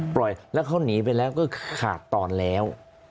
ปล่อยแล้วเขาหนีไปแล้วก็ขาดตอนแล้ว